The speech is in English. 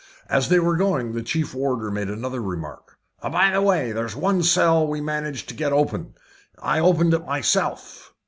As they were going, the chief warder made another remark. "By the way, there is one cell we managed to get open I opened it myself."